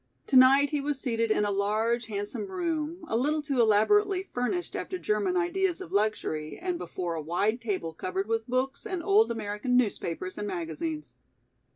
Tonight he was seated in a large, handsome room, a little too elaborately furnished after German ideas of luxury, and before a wide table covered with books and old American newspapers and magazines.